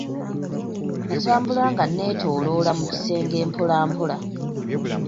Natambula nga ne toloola mu kisenge mpolampola.